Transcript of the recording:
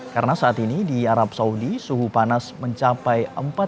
karena saat ini di arab saudi